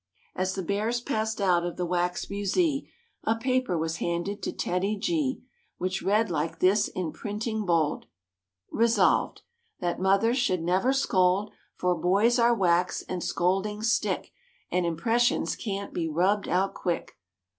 Z h i 7f m !.«a wf\ As the Bears passed out of the Wax Musee A paper was handed to TEDDY G Which read like this in printing bold: "Resolved, That mothers should never scold, For hoys are wax and scoldings stick And impressions cant he ruhhed out quick.